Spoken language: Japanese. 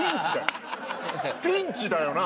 ピンチだよな？」。